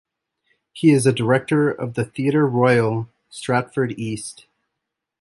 He is a director of the Theatre Royal, Stratford East.